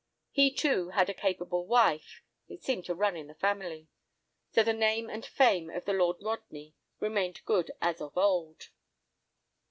He too had a capable wife—it seemed to run in the family. So the name and fame of the Lord Rodney remained good as of old.